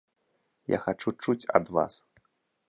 Я хачу чуць ад вас.